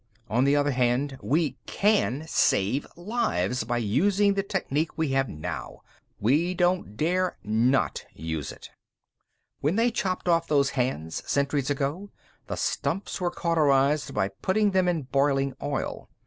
"On the other hand, we can save lives by using the technique we have now. We don't dare not use it. "When they chopped off those hands, centuries ago, the stumps were cauterized by putting them in boiling oil.